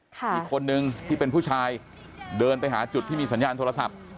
อีกคนนึงที่เป็นผู้ชายเดินไปหาจุดที่มีสัญญาณโทรศัพท์